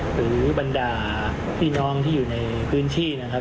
หรือบรรดาพี่น้องที่อยู่ในพื้นที่นะครับ